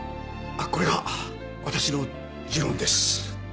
これが私の持論です。